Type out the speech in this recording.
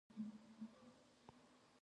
خپل هر څه زموږ مخې ته ږدي او رښتیا وایي.